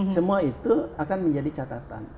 semua itu akan menjadi catatan